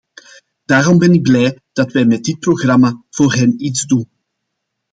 Daarom ben ik blij dat wij met dit programma voor hen iets doen.